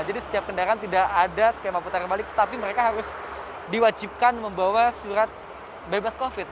jadi setiap kendaraan tidak ada skema putar balik tetapi mereka harus diwajibkan membawa surat bebas covid